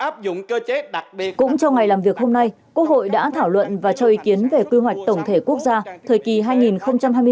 cũng trong ngày làm việc hôm nay quốc hội đã thảo luận và cho ý kiến về quy hoạch tổng thể quốc gia